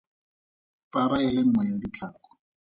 Para e le nngwe ya ditlhako.